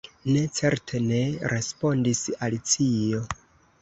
"Ne, certe ne!" respondis Alicio.